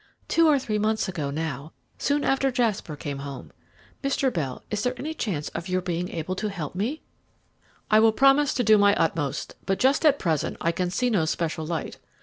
"Two or three months ago now, soon after Jasper came home. Mr. Bell, is there any chance of your being able to help me?" "I will promise to do my utmost, but just at present I can see no special light.